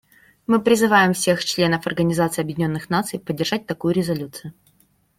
Мы призываем всех членов Организации Объединенных Наций поддержать такую резолюцию.